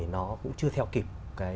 nó cũng chưa theo kịp